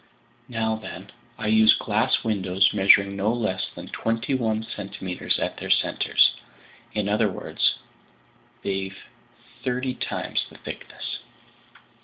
Now then, I use glass windows measuring no less than twenty one centimeters at their centers; in other words, they've thirty times the thickness."